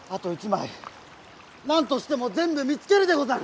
なんとしてもぜんぶ見つけるでござる！